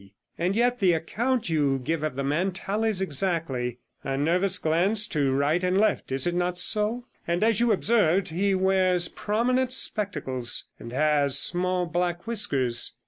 And yet the account you give of the man tallies exactly. A nervous glance to right and left is it not so? And, as you observed, he wears prominent spectacles, and has small black whiskers.